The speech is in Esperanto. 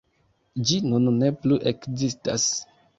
Ĝi nun ne plu ekzistas.